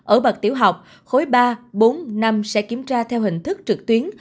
ở bậc tiểu học khối ba bốn năm sẽ kiểm tra theo hình thức trực tuyến